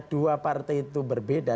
dua partai itu berbeda